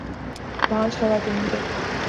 بانجھ خواتین کے